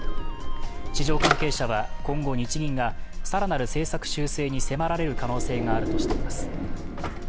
市場関係者は、今後日銀が更なる政策修正に迫られる可能性があるとしています。